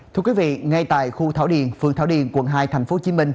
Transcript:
thưa quý vị ngay tại khu thảo điền phường thảo điền quận hai tp hcm